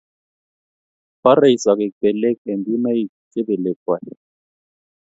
Borei sogek belek eng kuinoik che belekkwai